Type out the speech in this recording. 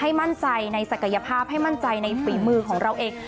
มั่นใจในศักยภาพให้มั่นใจในฝีมือของเราเอง